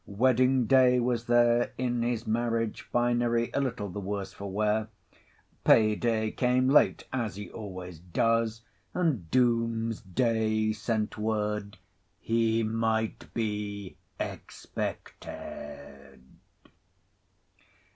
Wedding Day was there in his marriage finery, a little the worse for wear. Pay Day came late, as he always does; and Doomsday sent word—he might be expected.